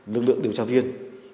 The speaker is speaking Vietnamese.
lực lượng điều tra viên